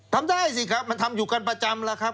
ทำได้สิครับมันทำอยู่กันประจำแล้วครับ